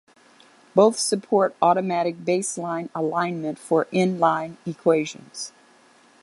Both support automatic baseline alignment for inline equations.